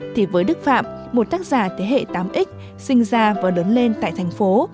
thì với đức phạm một tác giả thế hệ tám x sinh ra và lớn lên tại thành phố